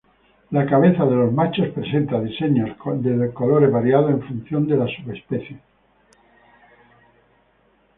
La cabeza de los machos presenta diseños colores variados en función de la subespecie.